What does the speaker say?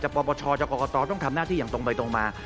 ผ่วงกับประชาประชาปกฏตกต้องทำหน้าที่ตรงไปตรงมา